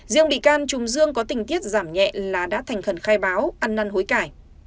riêng bị can trùng dương có tình tiết giảm nhẹ là đã thành khẩn khai báo ăn năn hối cải